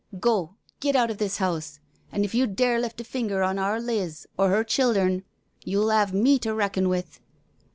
Go^ get out o' this house, an' if you dare lift a finger on our Liz or her. childhern you'll 'ave me to reckon with."